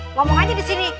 ngomong aja di sini